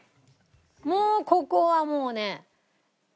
もうここはもうね。